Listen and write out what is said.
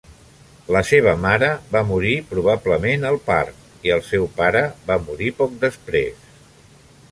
La seva mare va morir probablement al part, i el seu pare va morir poc després.